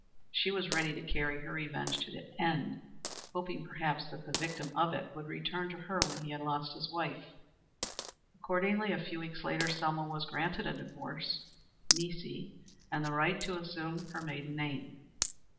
She was ready to carry her revenge to the end, hoping, perhaps, that the victim of it would return to her when he had lost his wife. Accordingly, a few weeks later, Selma was granted a divorce nisi and the right to resume her maiden name.